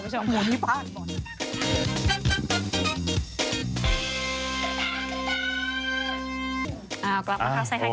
ช่วงหน้าผู้ชมค่ะ